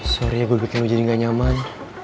sorry ya gua bikin lu jadi nggak nyaman